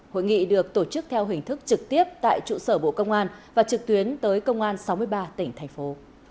hội nghị được tổ chức theo hình thức trực tiếp tại trụ sở bộ công an và trực tuyến tới công an sáu mươi ba tỉnh thành phố